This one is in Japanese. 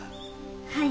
はい。